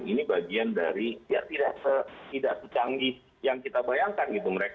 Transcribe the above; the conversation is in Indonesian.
ini bagian dari ya tidak secanggih yang kita bayangkan gitu